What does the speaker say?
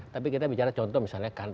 tapi kita bicara contoh misalnya kan